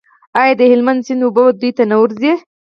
آیا د هلمند سیند اوبه دوی ته نه ورځي؟